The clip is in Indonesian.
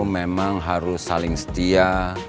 memang harus saling setia